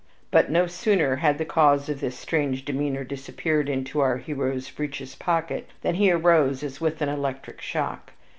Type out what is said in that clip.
But no sooner had the cause of this strange demeanor disappeared into our hero's breeches' pocket than he arose as with an electric shock.